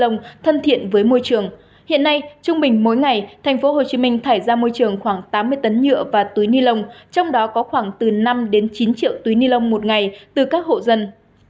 lông thải ra môi trường khoảng tám mươi tấn nhựa và túi ni lông trong đó có khoảng từ năm chín triệu túi ni lông một ngày từ các hộ dân